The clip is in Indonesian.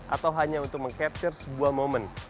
atau hanya untuk mengcapture sebuah momen